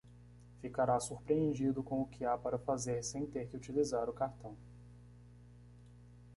Ficará surpreendido com o que há para fazer sem ter que utilizar o cartão.